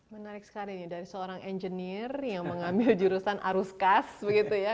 menarik sekali nih dari seorang engineer yang mengambil jurusan arus kas begitu ya